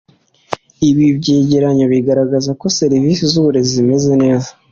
ibi byegeranyo biragaragaza ko serivisi z’uburezi zimeze neza